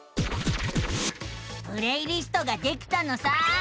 プレイリストができたのさあ。